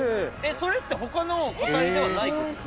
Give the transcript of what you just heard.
それって他の個体ではないことですか？